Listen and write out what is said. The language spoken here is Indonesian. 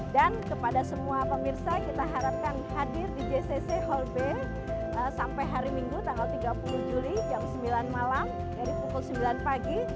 dan kepada semua pemirsa kita harapkan hadir di jcc hall b sampai hari minggu tanggal tiga puluh juli jam sembilan malam dari pukul sembilan pagi